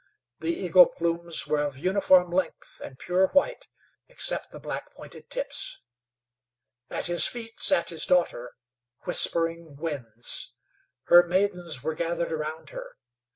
The eagle plumes were of uniform length and pure white, except the black pointed tips. At his feet sat his daughter, Whispering Winds. Her maidens were gathered round her.